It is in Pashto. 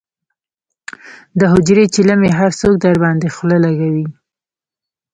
دحجرې چیلم یې هر څوک درباندې خله لکوي.